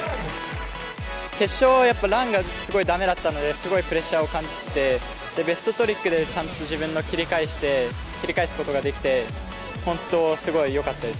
決勝はやっぱ、ランがすごいだめだったので、すごいプレッシャーを感じてて、ベストトリックでちゃんと自分で切り返して、切り返すことができて、本当、すごいよかったです。